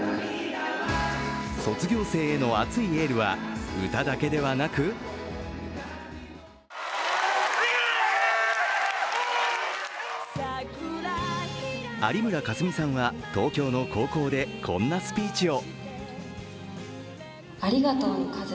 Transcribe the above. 卒業生への熱いエールは歌だけではなく有村架純さんは東京の高校でこんなスピーチを。